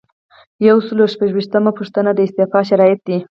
یو سل او شپږ ویشتمه پوښتنه د استعفا شرایط دي.